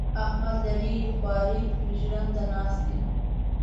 احمد له ډېرې خوارۍ؛ پر ژنده ناست دی.